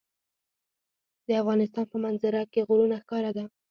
د افغانستان په منظره کې غرونه ښکاره ده.